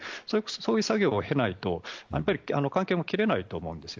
そういう作業を経ないと関係も切れないと思います。